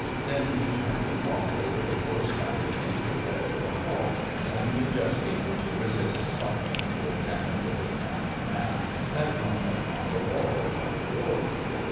Then he turned and walked over the coarse matting into the glare of the hall, only just able to resist stopping to examine the big mountain map that hung upon the wall by the door.